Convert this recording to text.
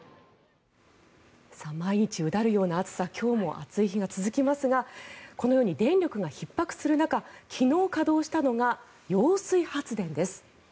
毎日、うだるような暑さ今日も暑い日が続きますがこのように電力がひっ迫する中昨日、稼働したのが揚水発電です。